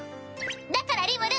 だからリムル！